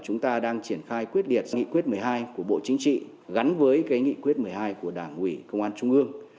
chúng ta đang triển khai quyết liệt nghị quyết một mươi hai của bộ chính trị gắn với nghị quyết một mươi hai của đảng ủy công an trung ương